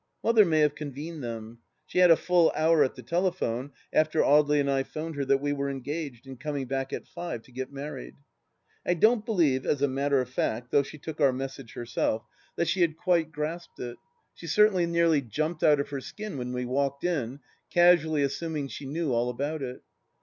Mother may have convened them. She had a full hour at the telephone, after Audely and I 'phoned her that we were engaged and coming back at five to get married. I don't believe, as a matter of fact, though she took our message herself, that she had quite THE LAST DITCH 291 grasped it. She certainly nearly jumped out of her skin when we walked in, casually assuming she knew all about it.